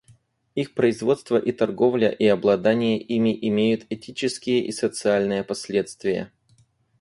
Их производство и торговля и обладание ими имеют этические и социальные последствия.